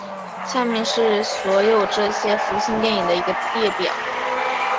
下面是所有这些福星电影的一个列表。